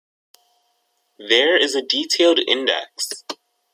There is a detailed index.